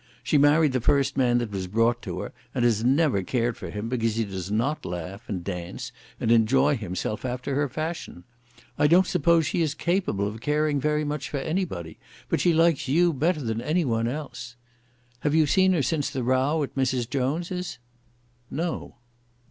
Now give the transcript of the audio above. She married the first man that was brought to her, and has never cared for him because he does not laugh, and dance, and enjoy himself after her fashion. I don't suppose she is capable of caring very much for anybody, but she likes you better than any one else. Have you seen her since the row at Mrs. Jones's?" "No."